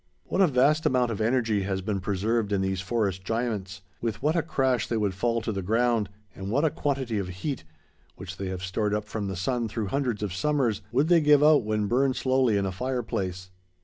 What a vast amount of energy has been preserved in these forest giants; with what a crash they would fall to the ground; and what a quantity of heat—which they have stored up from the sun through hundreds of summers—would they give out when burned slowly in a fireplace!